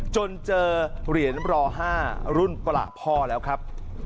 จนเจอเหรียญรอ๕รุ่นปลาพ่อแล้วครับ